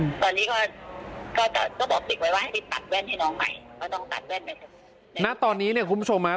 ให้พี่ตัดแว่นให้น้องใหม่ก็ต้องตัดแว่นใหม่นะตอนนี้เนี่ยคุณผู้ชมนะ